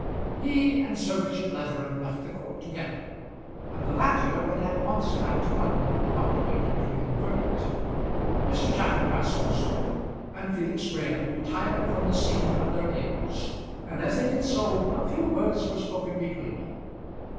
He and Sir Richard Leatherham left the court together, and the latter went at once back to London without waiting to hear the verdict. Mr. Chaffanbrass also, and Felix Graham retired from the scene of their labours, and as they did so, a few words were spoken between them.